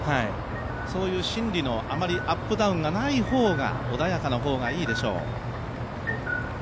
そういう心理のあまりアップダウンがない方が穏やかな方がいいでしょう。